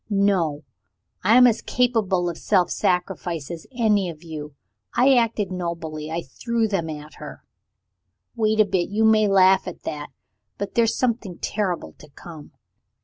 No! I am as capable of self sacrifice as any of you I acted nobly I threw them at her. Wait a bit! You may laugh at that, but there's something terrible to come.